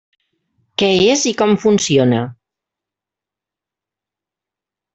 Què és i com funciona.